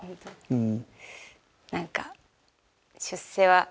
うん。